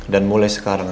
dan mulai sekarang